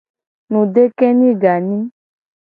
Ngudekenye ganyi.